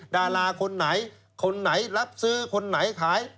ดาราคนไหนคนไหนรับซื้อคนไหนขาย